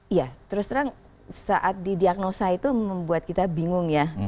iya terus terang saat didiagnosa itu membuat kita bingung ya